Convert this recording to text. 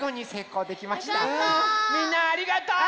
みんなありがとう！